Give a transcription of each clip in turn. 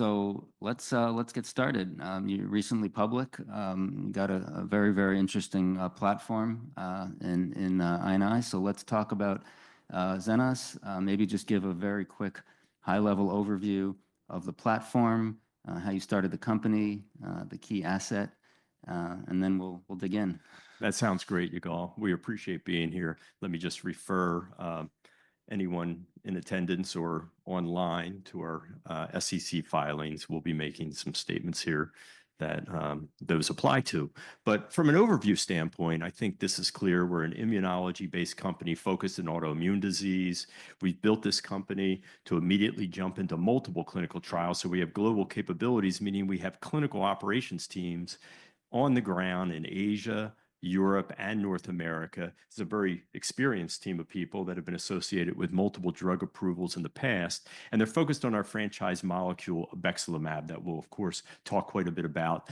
So let's get started. You're recently public. You got a very, very interesting platform in I&I, so let's talk about Zenas. Maybe just give a very quick high-level overview of the platform, how you started the company, the key asset, and then we'll dig in. That sounds great, Yigal. We appreciate being here. Let me just refer anyone in attendance or online to our SEC filings. We'll be making some statements here that those apply to. But from an overview standpoint, I think this is clear. We're an immunology-based company focused on autoimmune disease. We've built this company to immediately jump into multiple clinical trials. So we have global capabilities, meaning we have clinical operations teams on the ground in Asia, Europe, and North America. It's a very experienced team of people that have been associated with multiple drug approvals in the past. And they're focused on our franchise molecule, Obexelimab, that we'll, of course, talk quite a bit about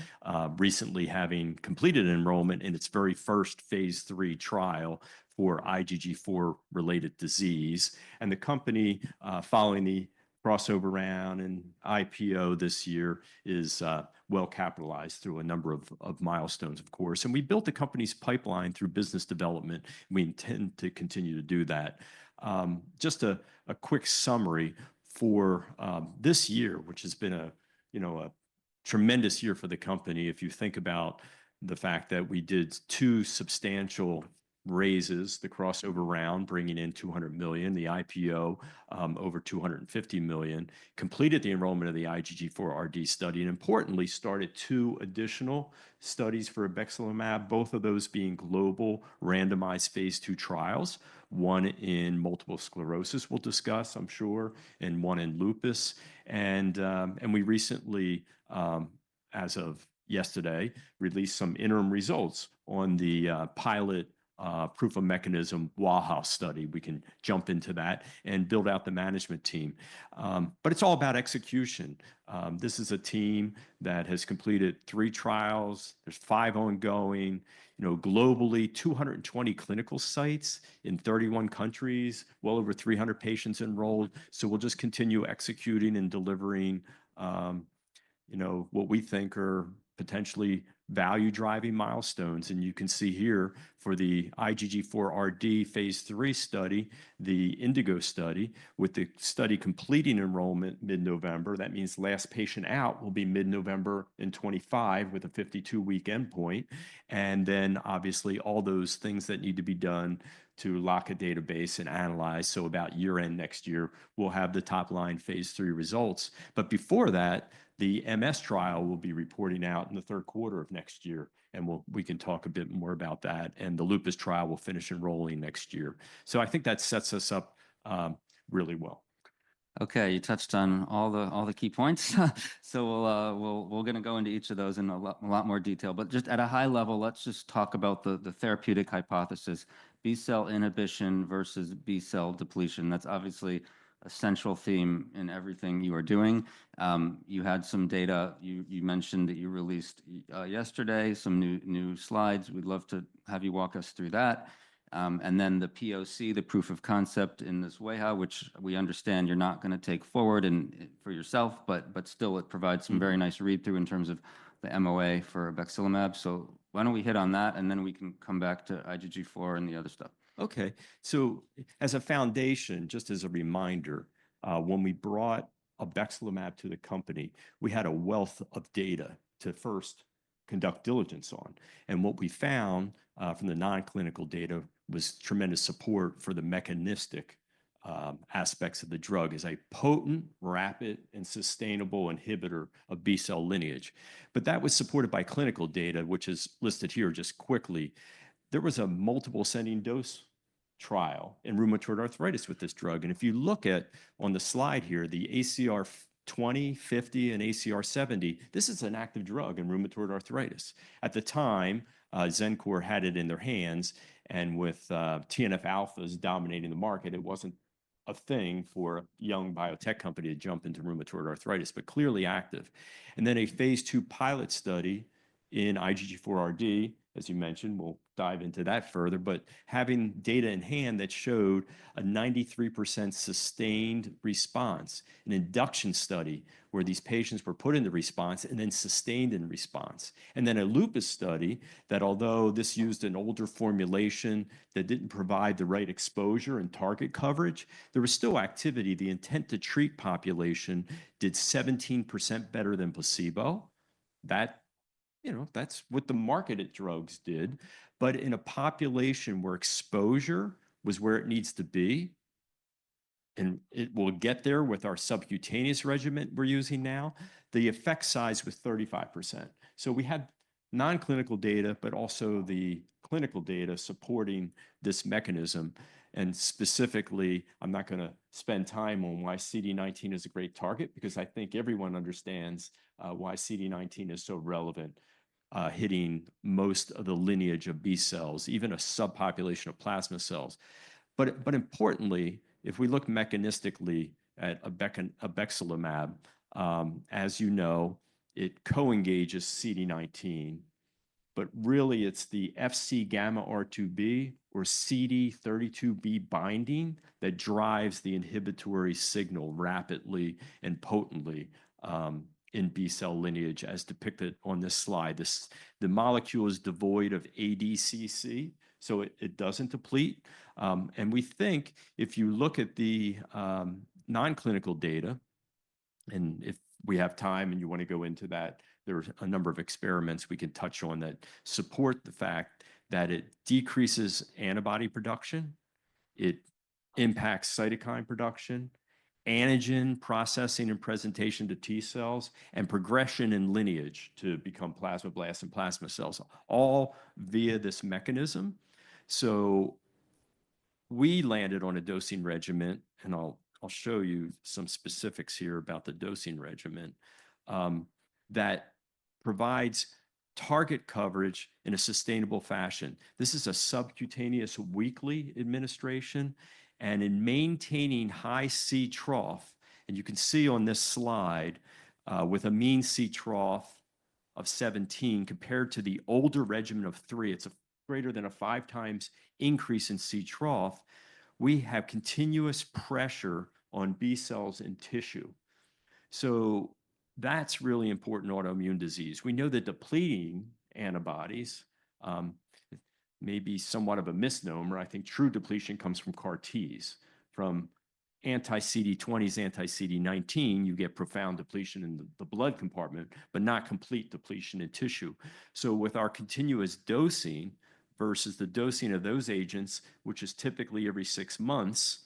recently having completed enrollment in its very first phase three trial for IgG4-related disease. And the company, following the crossover round and IPO this year, is well capitalized through a number of milestones, of course. We built the company's pipeline through business development. We intend to continue to do that. Just a quick summary for this year, which has been a tremendous year for the company. If you think about the fact that we did two substantial raises, the crossover round, bringing in $200 million, the IPO, over $250 million, completed the enrollment of the IgG4-RD study, and importantly, started two additional studies for obexelimab, both of those being global randomized phase two trials, one in multiple sclerosis we'll discuss, I'm sure, and one in lupus. And we recently, as of yesterday, released some interim results on the pilot proof of mechanism wAIHA study. We can jump into that and build out the management team. But it's all about execution. This is a team that has completed three trials. There's five ongoing. Globally, 220 clinical sites in 31 countries, well over 300 patients enrolled. So we'll just continue executing and delivering what we think are potentially value-driving milestones. And you can see here for the IgG4-RD phase three study, the INDIGO study, with the study completing enrollment mid-November, that means last patient out will be mid-November in 2025 with a 52-week endpoint. And then, obviously, all those things that need to be done to lock a database and analyze. So about year-end next year, we'll have the top-line phase three results. But before that, the MS trial will be reporting out in the third quarter of next year. And we can talk a bit more about that. And the lupus trial will finish enrolling next year. So I think that sets us up really well. Okay. You touched on all the key points. So we're going to go into each of those in a lot more detail. But just at a high level, let's just talk about the therapeutic hypothesis, B-cell inhibition versus B-cell depletion. That's obviously a central theme in everything you are doing. You had some data. You mentioned that you released yesterday some new slides. We'd love to have you walk us through that. And then the POC, the proof of concept in this way, which we understand you're not going to take forward for yourself, but still it provides some very nice read-through in terms of the MOA for obexelimab. So why don't we hit on that, and then we can come back to IgG4 and the other stuff. Okay. So as a foundation, just as a reminder, when we brought obexelimab to the company, we had a wealth of data to first conduct diligence on. And what we found from the non-clinical data was tremendous support for the mechanistic aspects of the drug as a potent, rapid, and sustainable inhibitor of B-cell lineage. But that was supported by clinical data, which is listed here just quickly. There was a multiple-ascending dose trial in rheumatoid arthritis with this drug. And if you look at on the slide here, the ACR 20, 50, and ACR 70, this is an active drug in rheumatoid arthritis. At the time, Xencor had it in their hands. And with TNF alphas dominating the market, it wasn't a thing for a young biotech company to jump into rheumatoid arthritis, but clearly active. Then a phase two pilot study in IgG4-RD, as you mentioned. We'll dive into that further, but having data in hand that showed a 93% sustained response, an induction study where these patients were put into response and then sustained in response. Then a lupus study that, although this used an older formulation that didn't provide the right exposure and target coverage, there was still activity. The intent to treat population did 17% better than placebo. That's what the marketed drugs did. But in a population where exposure was where it needs to be, and it will get there with our subcutaneous regimen we're using now, the effect size was 35%. So we had non-clinical data, but also the clinical data supporting this mechanism. Specifically, I'm not going to spend time on why CD19 is a great target because I think everyone understands why CD19 is so relevant, hitting most of the lineage of B cells, even a subpopulation of plasma cells. Importantly, if we look mechanistically at Obexelimab, as you know, it co-engages CD19. Really, it's the Fc gamma RIIb or CD32B binding that drives the inhibitory signal rapidly and potently in B-cell lineage, as depicted on this slide. The molecule is devoid of ADCC, so it doesn't deplete. We think if you look at the non-clinical data, and if we have time and you want to go into that, there are a number of experiments we can touch on that support the fact that it decreases antibody production, it impacts cytokine production, antigen processing and presentation to T cells, and progression in lineage to become plasmablasts and plasma cells, all via this mechanism. So we landed on a dosing regimen, and I'll show you some specifics here about the dosing regimen that provides target coverage in a sustainable fashion. This is a subcutaneous weekly administration. And in maintaining high C-trough, and you can see on this slide with a mean C-trough of 17 compared to the older regimen of three, it's greater than a five-times increase in C-trough, we have continuous pressure on B cells and tissue. So that's really important autoimmune disease. We know that depleting antibodies may be somewhat of a misnomer. I think true depletion comes from CAR-Ts. From anti-CD20s, anti-CD19, you get profound depletion in the blood compartment, but not complete depletion in tissue. So with our continuous dosing versus the dosing of those agents, which is typically every six months,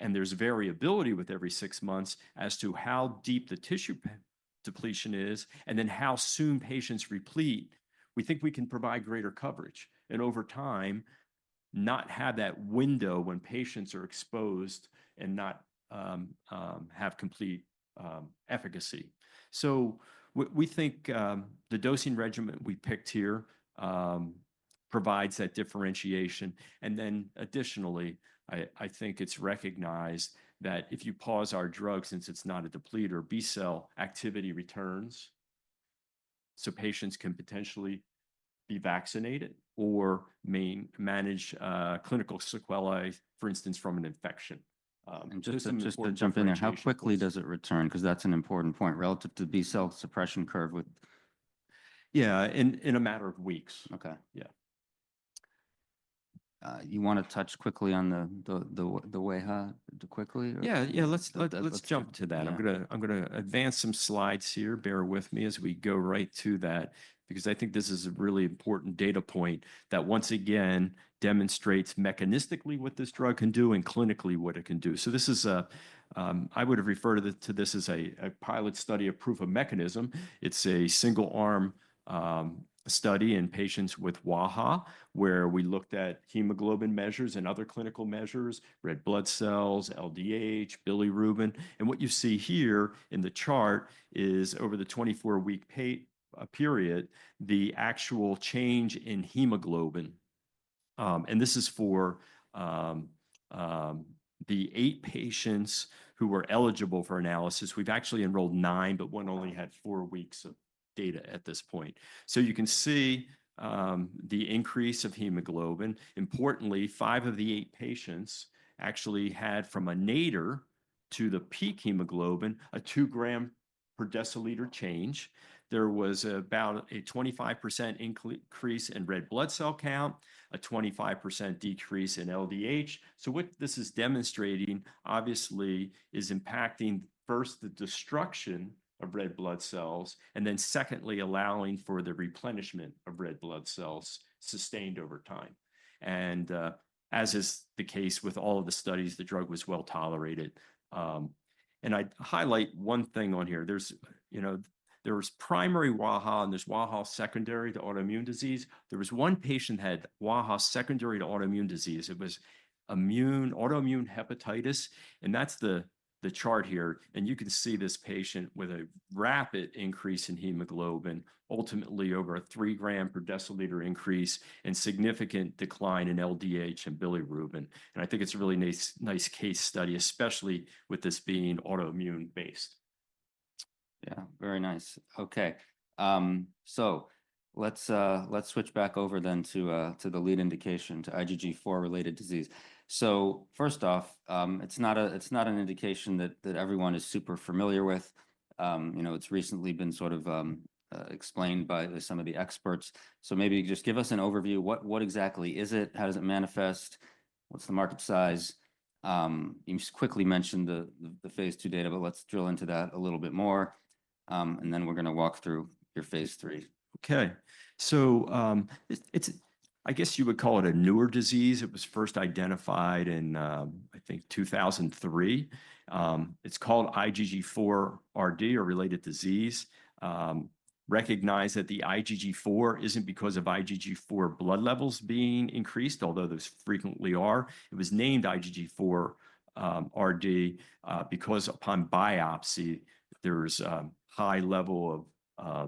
and there's variability with every six months as to how deep the tissue depletion is, and then how soon patients replete, we think we can provide greater coverage. And over time, not have that window when patients are exposed and not have complete efficacy. So we think the dosing regimen we picked here provides that differentiation. And then additionally, I think it's recognized that if you pause our drug, since it's not a depleter, B-cell activity returns. So patients can potentially be vaccinated or manage clinical sequelae, for instance, from an infection. Just to jump in there, how quickly does it return? Because that's an important point relative to the B-cell suppression curve with. Yeah, in a matter of weeks. Okay. Yeah. You want to touch quickly on the wAIHA? Yeah, yeah. Let's jump to that. I'm going to advance some slides here. Bear with me as we go right to that because I think this is a really important data point that once again demonstrates mechanistically what this drug can do and clinically what it can do. This is a, I would have referred to this as a pilot study of proof of mechanism. It's a single-arm study in patients with wAIHA, where we looked at hemoglobin measures and other clinical measures, red blood cells, LDH, bilirubin. What you see here in the chart is over the 24-week period, the actual change in hemoglobin. This is for the eight patients who were eligible for analysis. We've actually enrolled nine, but one only had four weeks of data at this point. You can see the increase of hemoglobin. Importantly, five of the eight patients actually had from a nadir to the peak hemoglobin a two-gram per deciliter change. There was about a 25% increase in red blood cell count, a 25% decrease in LDH, so what this is demonstrating, obviously, is impacting first the destruction of red blood cells, and then secondly, allowing for the replenishment of red blood cells sustained over time, and as is the case with all of the studies, the drug was well tolerated, and I highlight one thing on here. There's primary wAIHA, and there's wAIHA secondary to autoimmune disease. There was one patient that had wAIHA secondary to autoimmune disease. It was autoimmune hepatitis, and that's the chart here, and you can see this patient with a rapid increase in hemoglobin, ultimately over a three-gram per deciliter increase and significant decline in LDH and bilirubin. I think it's a really nice case study, especially with this being autoimmune-based. Yeah, very nice. Okay. So let's switch back over then to the lead indication to IgG4-related disease. So first off, it's not an indication that everyone is super familiar with. It's recently been sort of explained by some of the experts. So maybe just give us an overview. What exactly is it? How does it manifest? What's the market size? You quickly mentioned the phase two data, but let's drill into that a little bit more. And then we're going to walk through your phase three. Okay. So I guess you would call it a newer disease. It was first identified in, I think, 2003. It's called IgG4-RD or IgG4-related disease. Recognize that the IgG4 isn't because of IgG4 blood levels being increased, although those frequently are. It was named IgG4-RD because upon biopsy, there's a high level of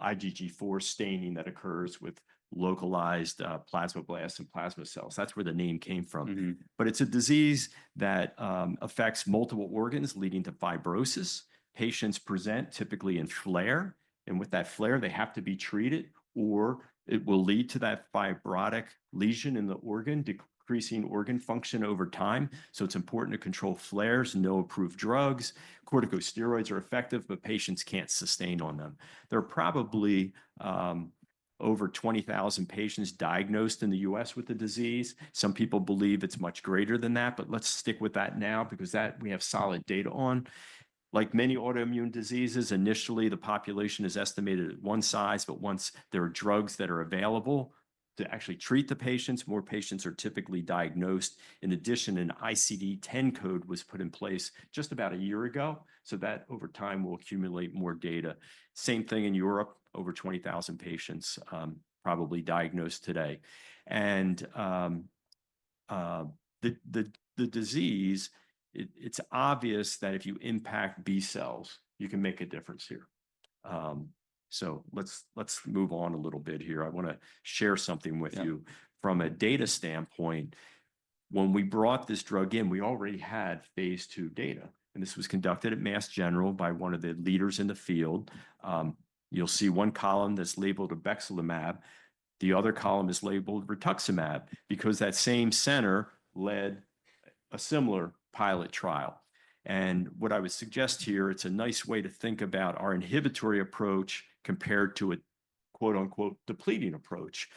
IgG4 staining that occurs with localized plasmablasts and plasma cells. That's where the name came from. But it's a disease that affects multiple organs leading to fibrosis. Patients present typically in flare, and with that flare, they have to be treated, or it will lead to that fibrotic lesion in the organ, decreasing organ function over time, so it's important to control flares, no approved drugs. Corticosteroids are effective, but patients can't sustain on them. There are probably over 20,000 patients diagnosed in the U.S. with the disease. Some people believe it's much greater than that, but let's stick with that now because that we have solid data on. Like many autoimmune diseases, initially, the population is estimated at one size, but once there are drugs that are available to actually treat the patients, more patients are typically diagnosed. In addition, an ICD-10 code was put in place just about a year ago, so that over time will accumulate more data. Same thing in Europe, over 20,000 patients probably diagnosed today, and the disease, it's obvious that if you impact B cells, you can make a difference here, so let's move on a little bit here. I want to share something with you from a data standpoint. When we brought this drug in, we already had phase 2 data, and this was conducted at Mass General by one of the leaders in the field. You'll see one column that's labeled Obexelimab. The other column is labeled Rituximab because that same center led a similar pilot trial. And what I would suggest here, it's a nice way to think about our inhibitory approach compared to a quote-unquote depleting approach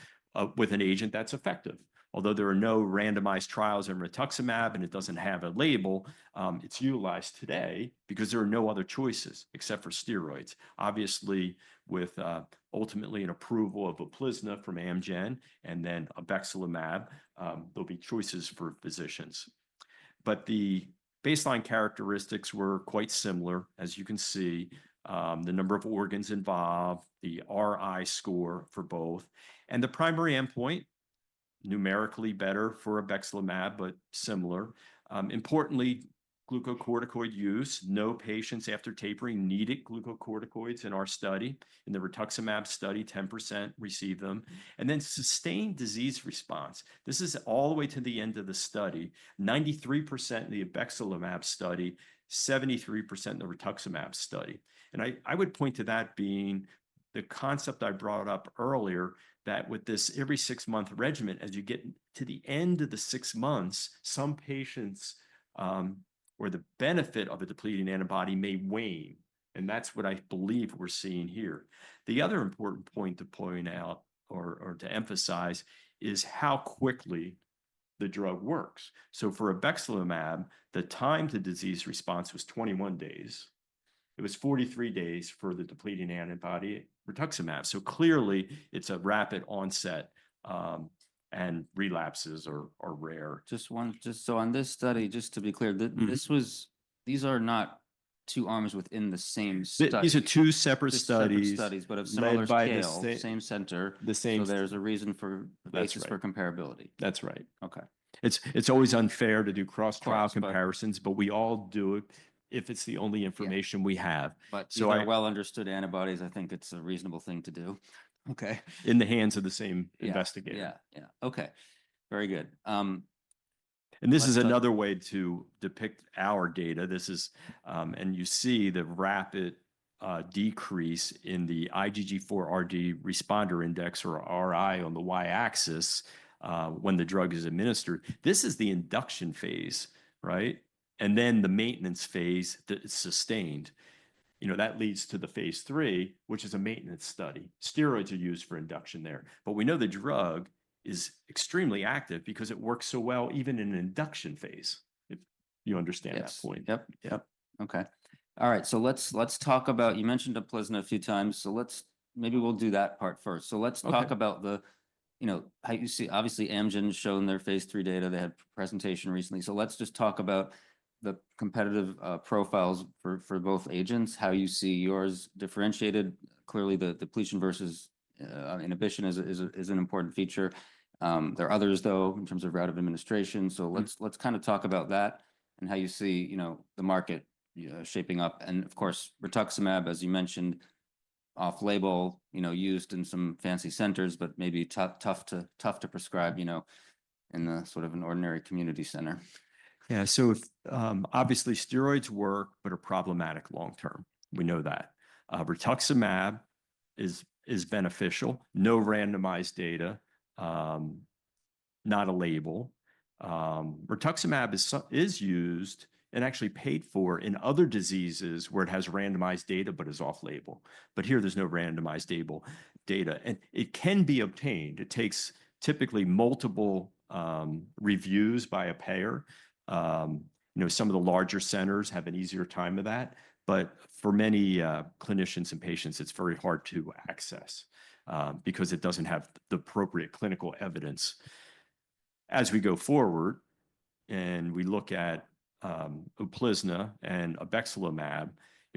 with an agent that's effective. Although there are no randomized trials in Rituximab and it doesn't have a label, it's utilized today because there are no other choices except for steroids. Obviously, with ultimately an approval of Uplizna from Amgen and then Obexelimab, there'll be choices for physicians. But the baseline characteristics were quite similar, as you can see, the number of organs involved, the RI score for both. And the primary endpoint, numerically better for Obexelimab, but similar. Importantly, glucocorticoid use, no patients after tapering needed glucocorticoids in our study. In the Rituximab study, 10% received them. And then sustained disease response. This is all the way to the end of the study, 93% in the Obexelimab study, 73% in the Rituximab study. And I would point to that being the concept I brought up earlier that with this every six-month regimen, as you get to the end of the six months, some patients or the benefit of a depleting antibody may wane. And that's what I believe we're seeing here. The other important point to point out or to emphasize is how quickly the drug works. So for Obexelimab, the time to disease response was 21 days. It was 43 days for the depleting antibody Rituximab. So clearly, it's a rapid onset and relapses are rare. Just on this study, just to be clear, these are not two arms within the same study. These are two separate studies. Two separate studies, but of similar scale, same center. The same. There's a reason for comparability. That's right. Okay. It's always unfair to do cross-comparisons, but we all do it if it's the only information we have. But for well-understood antibodies, I think it's a reasonable thing to do. Okay. In the hands of the same investigator. Yeah, yeah. Okay. Very good. This is another way to depict our data. You see the rapid decrease in the IgG4-RD responder index or RI on the Y-axis when the drug is administered. This is the induction phase, right? Then the maintenance phase that is sustained. That leads to the phase 3, which is a maintenance study. Steroids are used for induction there. But we know the drug is extremely active because it works so well even in an induction phase. If you understand that point. Yep, yep, yep. Okay. All right. So let's talk about, you mentioned Uplizna a few times. So maybe we'll do that part first. So let's talk about how you see, obviously, Amgen showing their phase 3 data. They had a presentation recently. So let's just talk about the competitive profiles for both agents, how you see yours differentiated. Clearly, the depletion versus inhibition is an important feature. There are others, though, in terms of route of administration. So let's kind of talk about that and how you see the market shaping up. And of course, Rituximab, as you mentioned, off-label, used in some fancy centers, but maybe tough to prescribe in sort of an ordinary community center. Yeah. So obviously, steroids work, but are problematic long-term. We know that. Rituximab is beneficial. No randomized data, not a label. Rituximab is used and actually paid for in other diseases where it has randomized data, but is off-label. But here, there's no randomized label data. And it can be obtained. It takes typically multiple reviews by a payer. Some of the larger centers have an easier time of that. But for many clinicians and patients, it's very hard to access because it doesn't have the appropriate clinical evidence. As we go forward and we look at Uplizna and obexelimab,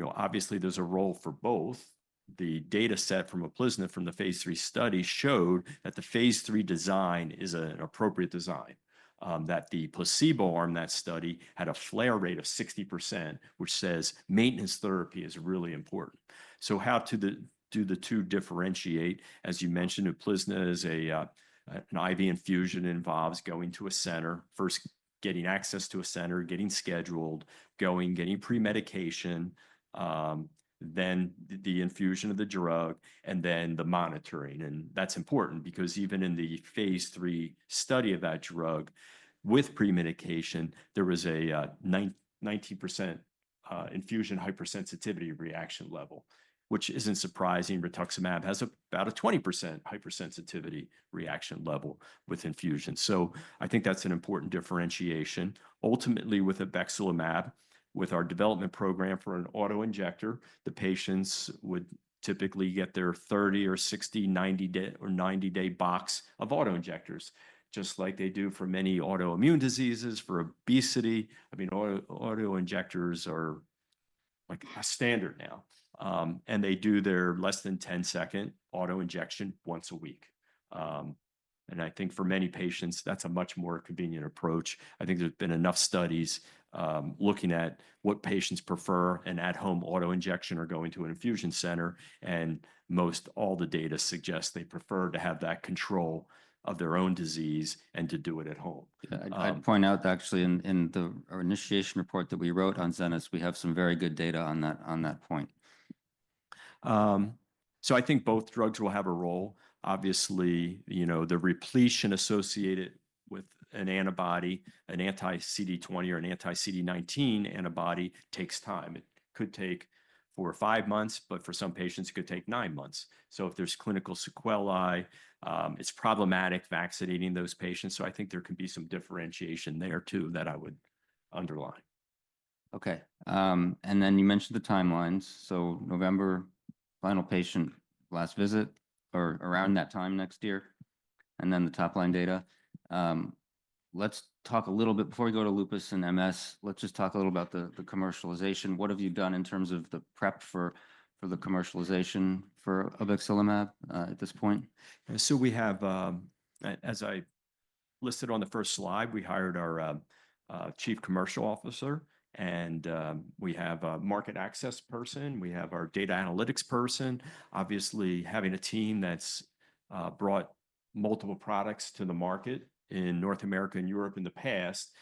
obviously, there's a role for both. The data set from Uplizna from the phase 3 study showed that the phase 3 design is an appropriate design, that the placebo arm in that study had a flare rate of 60%, which says maintenance therapy is really important. How do the two differentiate? As you mentioned, Uplizna is an IV infusion that involves going to a center, first getting access to a center, getting scheduled, going, getting pre-medication, then the infusion of the drug, and then the monitoring. And that's important because even in the phase 3 study of that drug, with pre-medication, there was a 19% infusion hypersensitivity reaction level, which isn't surprising. Rituximab has about a 20% hypersensitivity reaction level with infusion. So I think that's an important differentiation. Ultimately, with Obexelimab, with our development program for an autoinjector, the patients would typically get their 30- or 60- or 90-day box of autoinjectors, just like they do for many autoimmune diseases, for obesity. I mean, autoinjectors are like a standard now. And they do their less than 10-second autoinjection once a week. And I think for many patients, that's a much more convenient approach. I think there's been enough studies looking at what patients prefer an at-home autoinjection or going to an infusion center. And most all the data suggests they prefer to have that control of their own disease and to do it at home. I'd point out, actually, in our initiation report that we wrote on Zenas, we have some very good data on that point. So I think both drugs will have a role. Obviously, the repletion associated with an antibody, an Anti-CD20 or an Anti-CD19 antibody takes time. It could take four or five months, but for some patients, it could take nine months. So if there's clinical sequelae, it's problematic vaccinating those patients. So I think there can be some differentiation there too that I would underline. Okay. And then you mentioned the timelines. So, November, final patient, last visit, or around that time next year, and then the top-line data. Let's talk a little bit before we go to lupus and MS. Let's just talk a little about the commercialization. What have you done in terms of the prep for the commercialization for Obexelimab at this point? So we have, as I listed on the first slide, we hired our chief commercial officer, and we have a market access person. We have our data analytics person. Obviously, having a team that's brought multiple products to the market in North America and Europe in the past,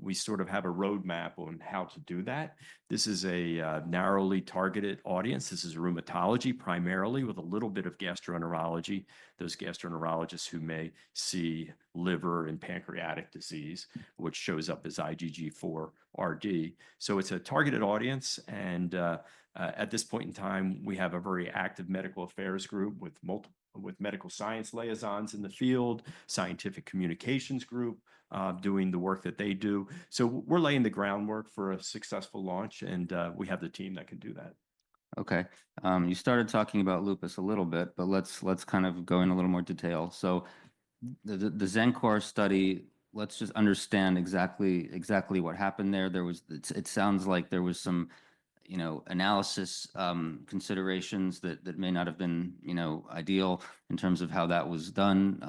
we sort of have a roadmap on how to do that. This is a narrowly targeted audience. This is rheumatology primarily with a little bit of gastroenterology, those gastroenterologists who may see liver and pancreatic disease, which shows up as IgG4-RD. So it's a targeted audience. And at this point in time, we have a very active medical affairs group with medical science liaisons in the field, scientific communications group doing the work that they do. So we're laying the groundwork for a successful launch, and we have the team that can do that. Okay. You started talking about lupus a little bit, but let's kind of go into a little more detail. So the Xencor study, let's just understand exactly what happened there. It sounds like there was some analysis considerations that may not have been ideal in terms of how that was done.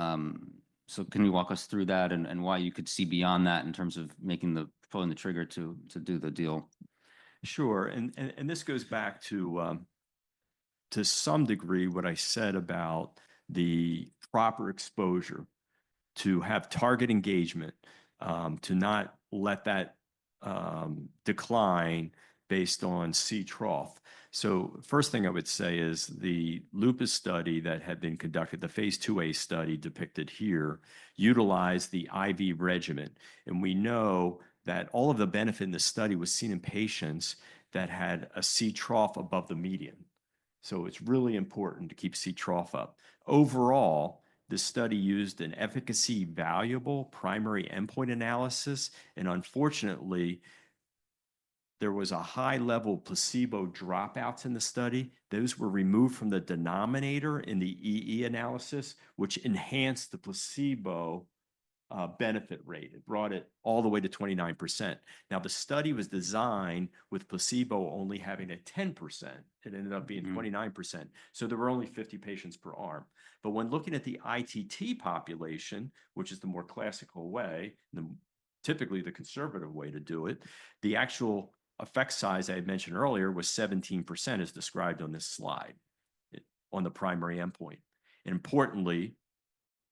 So can you walk us through that and why you could see beyond that in terms of pulling the trigger to do the deal? Sure. And this goes back to some degree what I said about the proper exposure to have target engagement, to not let that decline based on C-trough. So first thing I would say is the lupus study that had been conducted, the phase two A study depicted here, utilized the IV regimen. And we know that all of the benefit in the study was seen in patients that had a C-trough above the median. So it's really important to keep C-trough up. Overall, the study used an efficacy-evaluable primary endpoint analysis. And unfortunately, there was a high level of placebo dropouts in the study. Those were removed from the denominator in the EE analysis, which enhanced the placebo benefit rate. It brought it all the way to 29%. Now, the study was designed with placebo only having a 10%. It ended up being 29%. So there were only 50 patients per arm. But when looking at the ITT population, which is the more classical way, typically the conservative way to do it, the actual effect size I had mentioned earlier was 17% as described on this slide on the primary endpoint. And importantly,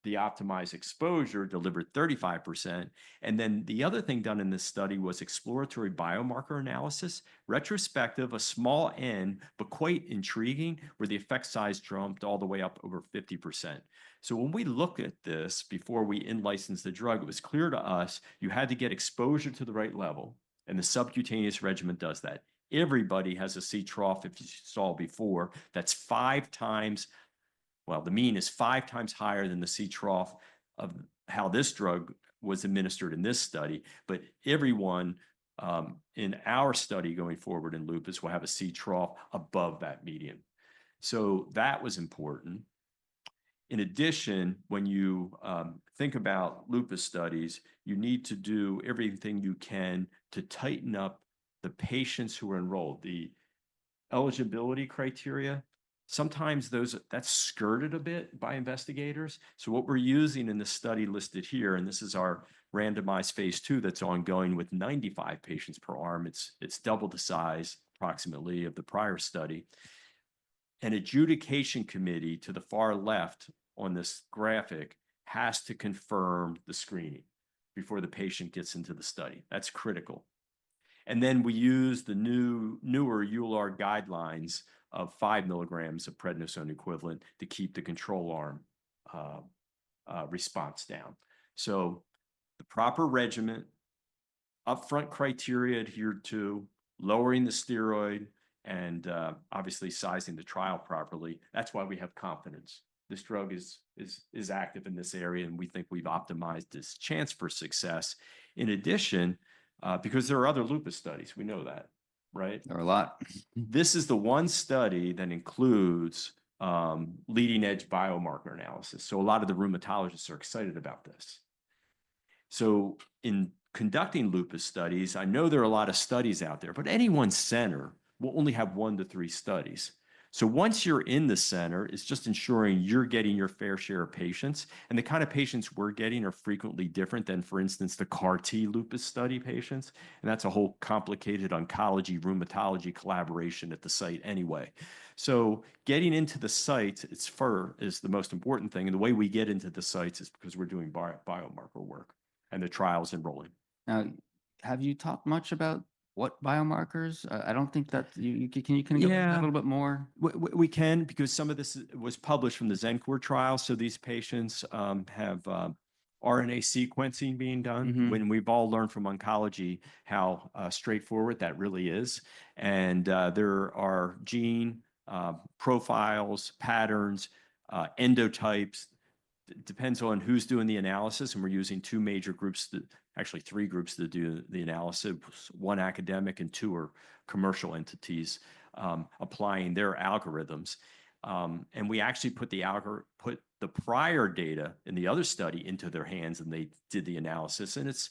the optimized exposure delivered 35%. And then the other thing done in this study was exploratory biomarker analysis, retrospective, a small N, but quite intriguing where the effect size jumped all the way up over 50%. So when we look at this before we in-licensed the drug, it was clear to us you had to get exposure to the right level. And the subcutaneous regimen does that. Everybody has a C-trough, if you saw before. That's five times, well, the mean is five times higher than the C-trough of how this drug was administered in this study. But everyone in our study going forward in lupus will have a C-trough above that median. So that was important. In addition, when you think about lupus studies, you need to do everything you can to tighten up the patients who are enrolled, the eligibility criteria. Sometimes that's skirted a bit by investigators. So what we're using in the study listed here, and this is our randomized phase two that's ongoing with 95 patients per arm, it's doubled the size approximately of the prior study. And adjudication committee to the far left on this graphic has to confirm the screening before the patient gets into the study. That's critical. And then we use the newer EULAR guidelines of five milligrams of Prednisone equivalent to keep the control arm response down. So the proper regimen, upfront criteria adhered to, lowering the steroid, and obviously sizing the trial properly. That's why we have confidence. This drug is active in this area, and we think we've optimized this chance for success. In addition, because there are other lupus studies, we know that, right? There are a lot. This is the one study that includes leading-edge biomarker analysis. So a lot of the rheumatologists are excited about this. So in conducting lupus studies, I know there are a lot of studies out there, but any one center will only have one to three studies. So once you're in the center, it's just ensuring you're getting your fair share of patients. And the kind of patients we're getting are frequently different than, for instance, the CAR-T lupus study patients. And that's a whole complicated oncology rheumatology collaboration at the site anyway. So getting into the sites, it's first is the most important thing. And the way we get into the sites is because we're doing biomarker work and the trial's enrolling. Now, have you talked much about what biomarkers? I don't think that you can go a little bit more. We can because some of this was published from the Xencor trial. So these patients have RNA sequencing being done. When we've all learned from oncology how straightforward that really is. And there are gene profiles, patterns, endotypes. It depends on who's doing the analysis. And we're using two major groups, actually three groups to do the analysis, one academic and two are commercial entities applying their algorithms. And we actually put the prior data in the other study into their hands, and they did the analysis. And it's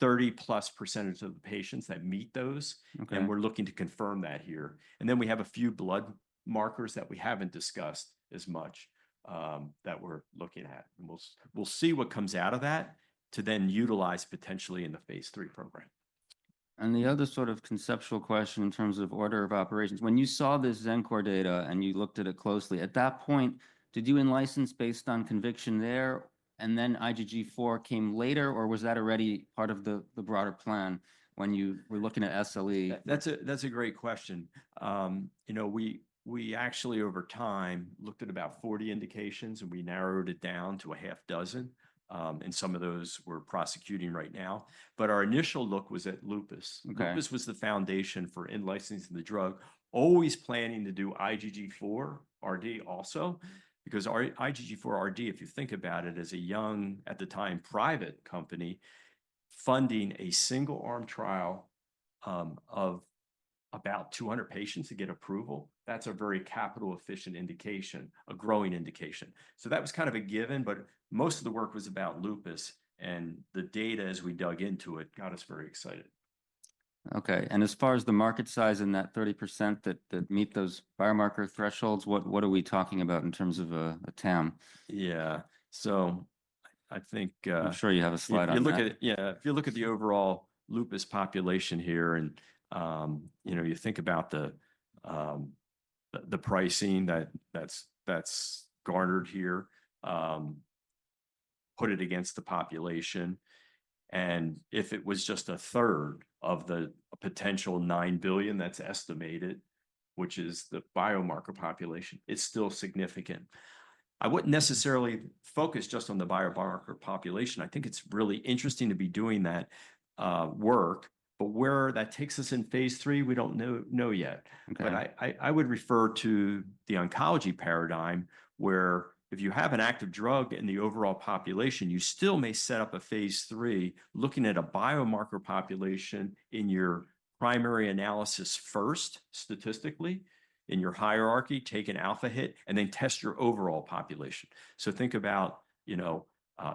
30-plus% of the patients that meet those. And we're looking to confirm that here. And then we have a few blood markers that we haven't discussed as much that we're looking at. And we'll see what comes out of that to then utilize potentially in the phase three program. And the other sort of conceptual question in terms of order of operations, when you saw this Xencor data and you looked at it closely, at that point, did you in-license based on conviction there? And then IgG4 came later, or was that already part of the broader plan when you were looking at SLE? That's a great question. We actually, over time, looked at about 40 indications, and we narrowed it down to a half dozen, and some of those we're prosecuting right now. Our initial look was at Lupus. Lupus was the foundation for in-licensing the drug, always planning to do IgG4-RD also because IgG4-RD, if you think about it as a young, at the time, private company funding a single-arm trial of about 200 patients to get approval, that's a very capital-efficient indication, a growing indication. That was kind of a given, but most of the work was about Lupus. The data, as we dug into it, got us very excited. Okay. And as far as the market size and that 30% that meet those biomarker thresholds, what are we talking about in terms of a TAM? Yeah. So I think. I'm sure you have a slide on that. Yeah. If you look at the overall lupus population here and you think about the pricing that's garnered here, put it against the population, and if it was just a third of the potential 9 billion that's estimated, which is the biomarker population, it's still significant. I wouldn't necessarily focus just on the biomarker population. I think it's really interesting to be doing that work, but where that takes us in phase three, we don't know yet But I would refer to the oncology paradigm where if you have an active drug in the overall population, you still may set up a phase three looking at a biomarker population in your primary analysis first statistically in your hierarchy, take an alpha hit, and then test your overall population. So think about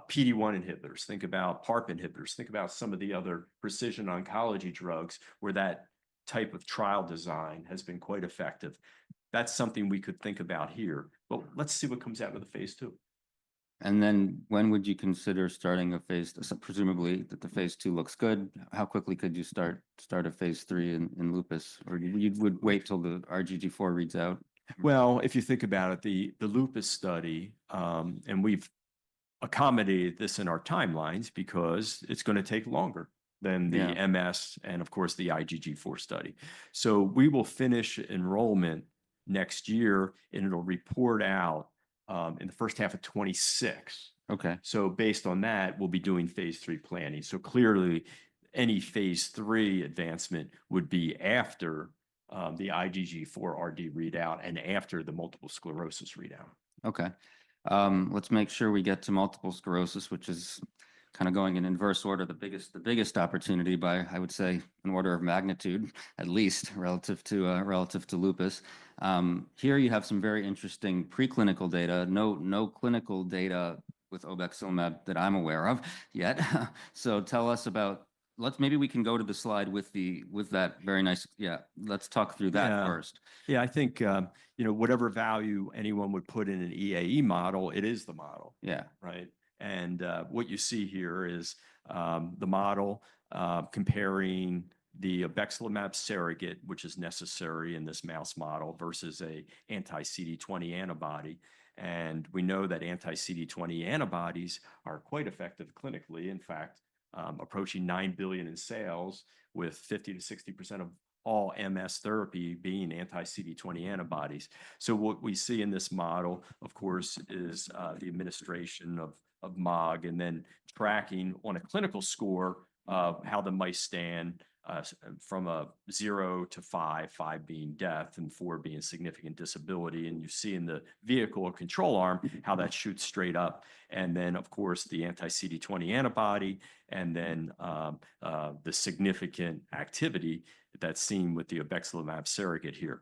PD-1 inhibitors, think about PARP inhibitors, think about some of the other precision oncology drugs where that type of trial design has been quite effective. That's something we could think about here. But let's see what comes out with the phase two. And then when would you consider starting a phase? Presumably, the phase two looks good. How quickly could you start a phase three in lupus? Or you would wait till the IgG4 reads out? If you think about it, the lupus study, and we've accommodated this in our timelines because it's going to take longer than the MS and, of course, the IgG4-RD study. We will finish enrollment next year, and it'll report out in the first half of 2026. Based on that, we'll be doing phase three planning. Clearly, any phase three advancement would be after the IgG4-RD readout and after the multiple sclerosis readout. Okay. Let's make sure we get to multiple sclerosis, which is kind of going in inverse order, the biggest opportunity by, I would say, an order of magnitude, at least relative to lupus. Here you have some very interesting preclinical data, no clinical data with obexelimab that I'm aware of yet. So tell us about, maybe we can go to the slide with that very nice, yeah, let's talk through that first. Yeah. I think whatever value anyone would put in an EAE model, it is the model. Yeah. Right. And what you see here is the model comparing the Obexelimab surrogate, which is necessary in this mouse model versus an anti-CD20 antibody. And we know that anti-CD20 antibodies are quite effective clinically, in fact, approaching $9 billion in sales with 50%-60% of all MS therapy being anti-CD20 antibodies. So what we see in this model, of course, is the administration of MOG and then tracking on a clinical score of how the mice stand from 0 to 5, 5 being death and 4 being significant disability. And you see in the vehicle control arm how that shoots straight up. And then, of course, the anti-CD20 antibody and then the significant activity that's seen with the Obexelimab surrogate here.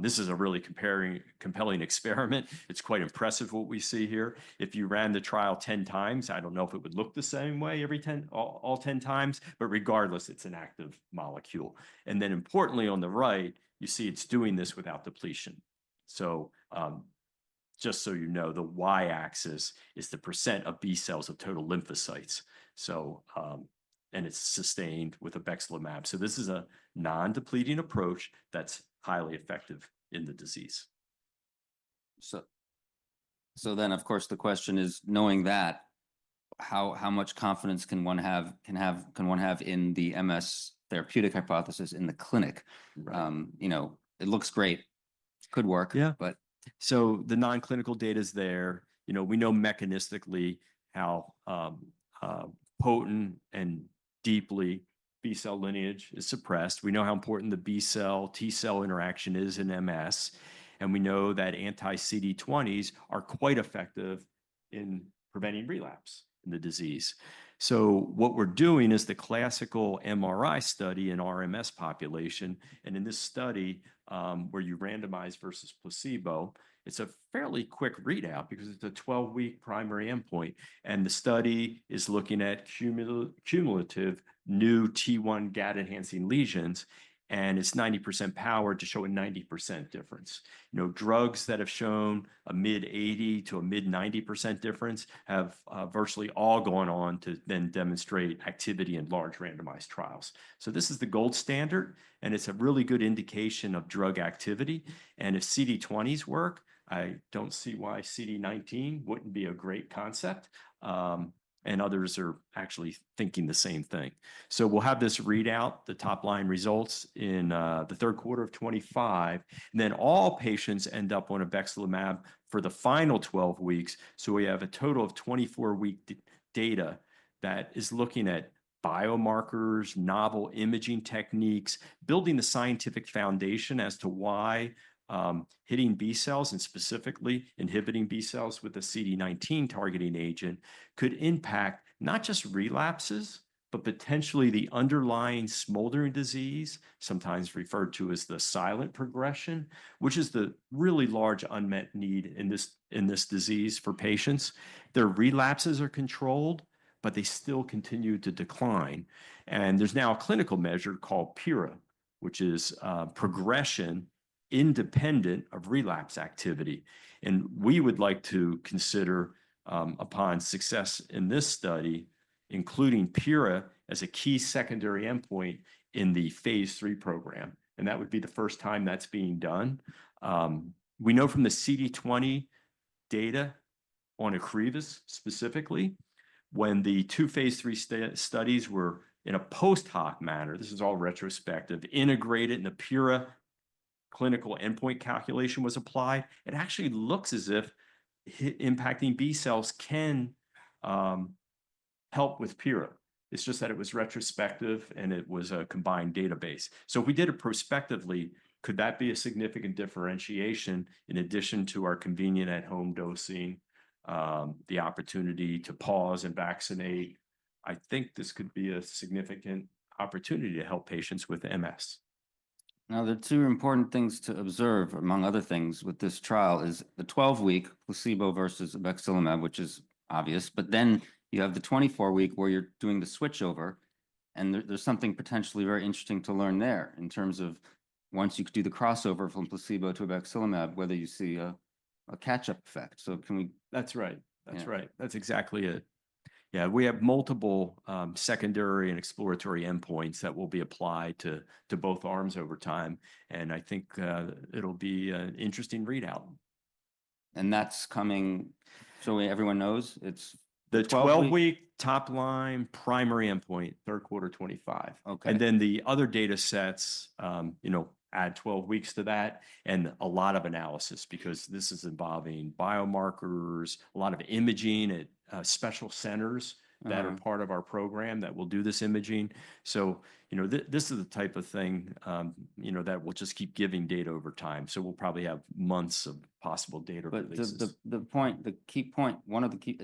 This is a really compelling experiment. It's quite impressive what we see here. If you ran the trial 10 times, I don't know if it would look the same way all 10 times, but regardless, it's an active molecule. And then importantly, on the right, you see it's doing this without depletion. So just so you know, the Y-axis is the % of B cells of total lymphocytes. And it's sustained with obexelimab. So this is a non-depleting approach that's highly effective in the disease. So then, of course, the question is, knowing that, how much confidence can one have in the MS therapeutic hypothesis in the clinic? It looks great. It could work. Yeah. So the non-clinical data is there. We know mechanistically how potent and deeply B cell lineage is suppressed. We know how important the B cell-T cell interaction is in MS. And we know that anti-CD20s are quite effective in preventing relapse in the disease. So what we're doing is the classical MRI study in our MS population. And in this study, where you randomize versus placebo, it's a fairly quick readout because it's a 12-week primary endpoint. And the study is looking at cumulative new T1 Gd-enhancing lesions. And it's 90% power to show a 90% difference. Drugs that have shown a mid-80% to a mid-90% difference have virtually all gone on to then demonstrate activity in large randomized trials. So this is the gold standard. And it's a really good indication of drug activity. And if CD20s work, I don't see why CD19 wouldn't be a great concept. Others are actually thinking the same thing. We'll have this readout, the top line results in the third quarter of 2025. Then all patients end up on obexelimab for the final 12 weeks. We have a total of 24-week data that is looking at biomarkers, novel imaging techniques, building the scientific foundation as to why hitting B cells and specifically inhibiting B cells with a CD19 targeting agent could impact not just relapses, but potentially the underlying smoldering disease, sometimes referred to as the silent progression, which is the really large unmet need in this disease for patients. Their relapses are controlled, but they still continue to decline. There's now a clinical measure called PIRA, which is progression independent of relapse activity. We would like to consider, upon success in this study, including PIRA as a key secondary endpoint in the phase 3 program. And that would be the first time that's being done. We know from the CD20 data on Ocrevus specifically, when the two phase three studies were in a post-hoc manner, this is all retrospective, integrated in the PIRA clinical endpoint calculation was applied. It actually looks as if impacting B cells can help with PIRA. It's just that it was retrospective and it was a combined database. So if we did it prospectively, could that be a significant differentiation in addition to our convenient at-home dosing, the opportunity to pause and vaccinate? I think this could be a significant opportunity to help patients with MS. Now, there are two important things to observe, among other things with this trial, is the 12-week placebo versus Obexelimab, which is obvious. But then you have the 24-week where you're doing the switchover. And there's something potentially very interesting to learn there in terms of once you could do the crossover from placebo to Obexelimab, whether you see a catch-up effect. So can we. That's right. That's right. That's exactly it. Yeah. We have multiple secondary and exploratory endpoints that will be applied to both arms over time. And I think it'll be an interesting readout. And that's coming, so everyone knows it's. The 12-week top line primary endpoint, third quarter 2025. And then the other data sets add 12 weeks to that and a lot of analysis because this is involving biomarkers, a lot of imaging at special centers that are part of our program that will do this imaging. So this is the type of thing that we'll just keep giving data over time. So we'll probably have months of possible data releases. But the key point,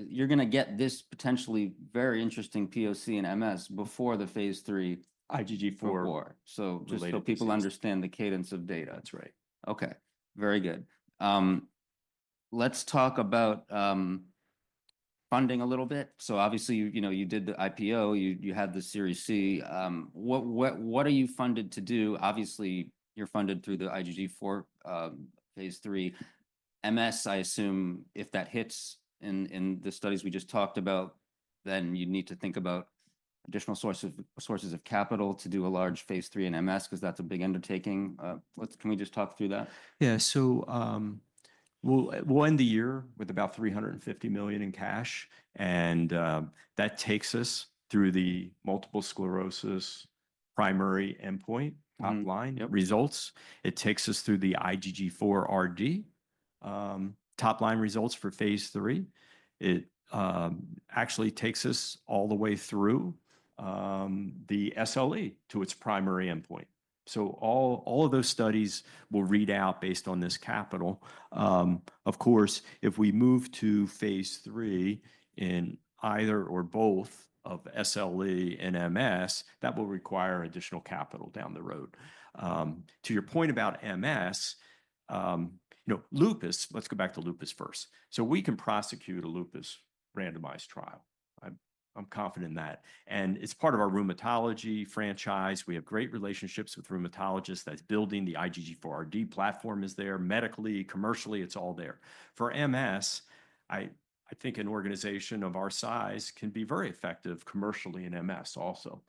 you're going to get this potentially very interesting POC and MS before the phase 3. IgG4. So people understand the cadence of data. That's right. Okay. Very good. Let's talk about funding a little bit. So obviously, you did the IPO. You had the Series C. What are you funded to do? Obviously, you're funded through the IgG4 phase 3. MS, I assume if that hits in the studies we just talked about, then you need to think about additional sources of capital to do a large phase 3 in MS because that's a big undertaking. Can we just talk through that? Yeah. So we'll end the year with about $350 million in cash. And that takes us through the multiple sclerosis primary endpoint top line results. It takes us through the IgG4-RD top line results for phase three. It actually takes us all the way through the SLE to its primary endpoint. So all of those studies will read out based on this capital. Of course, if we move to phase three in either or both of SLE and MS, that will require additional capital down the road. To your point about MS, let's go back to lupus first. So we can prosecute a lupus randomized trial. I'm confident in that. And it's part of our rheumatology franchise. We have great relationships with rheumatologists that's building the IgG4-RD platform is there. Medically, commercially, it's all there. For MS, I think an organization of our size can be very effective commercially in MS also.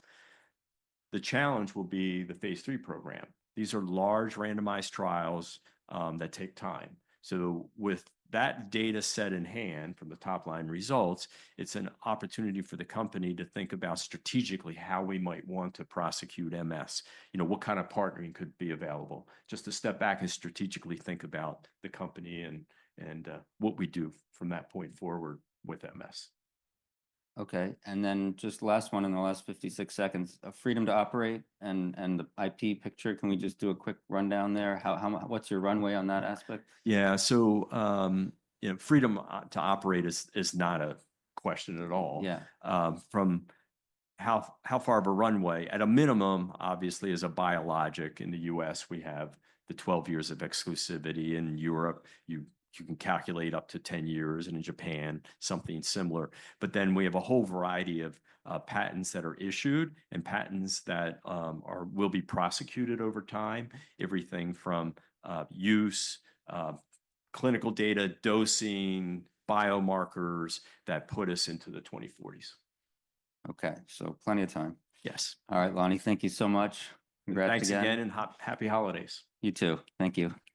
The challenge will be the phase three program. These are large randomized trials that take time. So with that data set in hand from the top line results, it's an opportunity for the company to think about strategically how we might want to prosecute MS, what kind of partnering could be available, just to step back and strategically think about the company and what we do from that point forward with MS. Okay. And then just last one in the last 56 seconds, freedom to operate and the IP picture. Can we just do a quick rundown there? What's your runway on that aspect? Yeah. So freedom to operate is not a question at all. From how far of a runway, at a minimum, obviously, as a biologic in the U.S., we have the 12 years of exclusivity. In Europe, you can calculate up to 10 years. And in Japan, something similar. But then we have a whole variety of patents that are issued and patents that will be prosecuted over time, everything from use, clinical data, dosing, biomarkers that put us into the 2040s. Okay. So plenty of time. Yes. All right, Lonnie, thank you so much. Congratulations. Thanks again and happy holidays. You too. Thank you.